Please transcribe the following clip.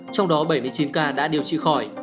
trong đó bảy mươi chín ca đã điều trị khỏi